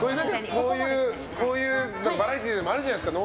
バラエティーでもあるじゃないですか。